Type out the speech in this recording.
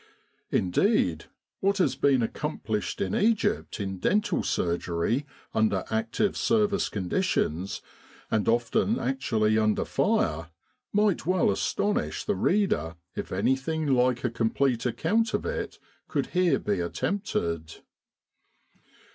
Indeed, what has been accomplished in Egypt in dental surgery under Active Service conditions, and often actually under fire, might well astonish the reader if anything like a complete account of it could here be attempted.